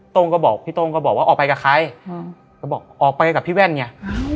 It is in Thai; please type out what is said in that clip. ้งก็บอกพี่ต้งก็บอกว่าออกไปกับใครก็บอกออกไปกับพี่แว่นไง